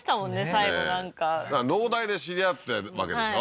最後なんか農大で知り合ったわけでしょ？